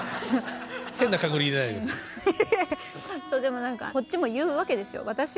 そうでも何かこっちも言うわけですよ。